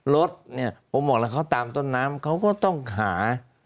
รถเนี่ยผมบอกแล้วเขาตามต้นน้ำเขาก็ต้องหา